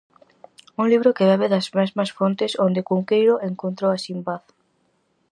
Un libro que bebe das mesmas fontes onde Cunqueiro encontrou a Sinbad.